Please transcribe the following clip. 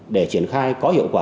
để triển khai có hiệu quả